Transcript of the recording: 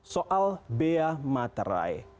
soal bea materai